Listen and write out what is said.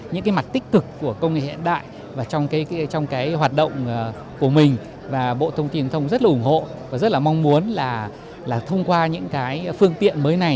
những mặt tích cực của công nghệ hiện đại trong hoạt động của mình và bộ thông tin thông rất ủng hộ và rất mong muốn là thông qua những phương tiện mới này